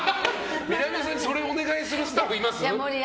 南野さんにそれをお願いするスタッフいます？